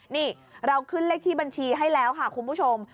นี่เราขึ้นเลขที่บัญชีให้แล้วค่ะคุณผู้ชม